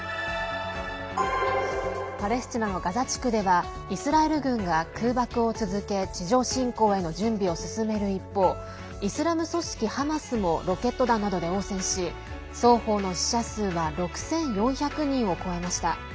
パレスチナのガザ地区ではイスラエル軍が空爆を続け地上侵攻への準備を進める一方イスラム組織ハマスもロケット弾などで応戦し双方の死者数は６４００人を超えました。